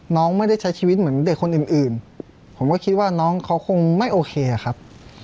น้องไม่ได้ใช้ชีวิตเหมือนเด็กคนอื่นผมก็คิดว่าน้องเขาคงไม่โอเคอะครับ